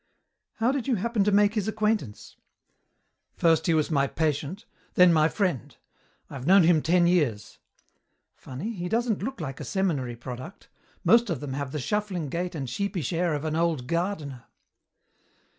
"How did you happen to make his acquaintance?" "First he was my patient, then my friend. I've known him ten years." "Funny. He doesn't look like a seminary product. Most of them have the shuffling gait and sheepish air of an old gardener."